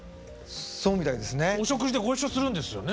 お食事でご一緒するんですよね。